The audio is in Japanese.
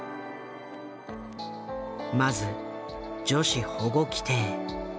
まず女子保護規定。